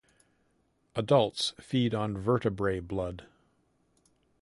Adults feed on vertebrate blood.